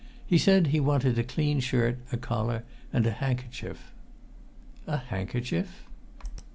He said he wanted a clean shirt, a collar, and a handkerchief." "A handkerchief?"